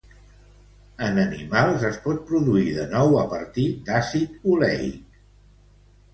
En animals, es pot produir de nou a partir d'àcid oleic.